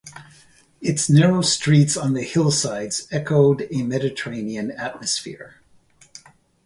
Its narrow streets on the hillsides echoed a Mediterranean atmosphere.